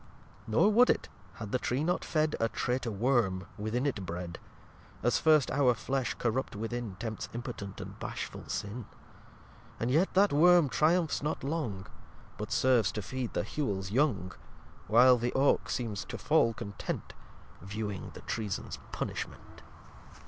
lxx Nor would it, had the Tree not fed A Traitor worm, within it bred. (As first our Flesh corrupt within Tempts impotent and bashful Sin.) And yet that Worm triumphs not long, But serves to feed the Hewels young. While the Oake seems to fall content, Viewing the Treason's Punishment.